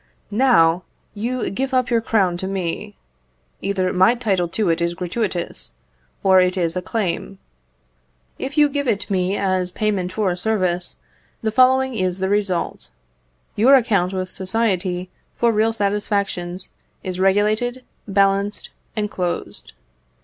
_" Now, you give up your crown to me. Either my title to it is gratuitous, or it is a claim. If you give it me as payment for a service, the following is the result: your account with society for real satisfactions is regulated, balanced, and closed.